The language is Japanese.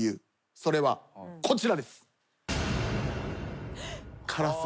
それはこちらです。